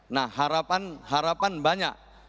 nah harapan banyak